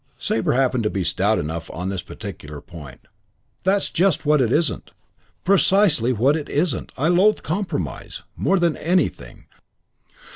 Sabre happened to be stout enough on this particular point. "That's just what it isn't. Precisely what it isn't. I loathe compromise. More than anything.